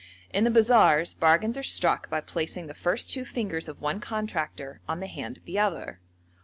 In the bazaars bargains are struck by placing the first two fingers of one contractor on the hand of the other.